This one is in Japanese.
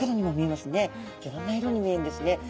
いろんな色に見えるんですね。